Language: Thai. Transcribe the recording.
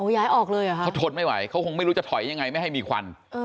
ย้ายออกเลยเหรอคะเขาทนไม่ไหวเขาคงไม่รู้จะถอยยังไงไม่ให้มีควัน